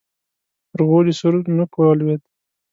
پر غولي سور نوک ولوېد.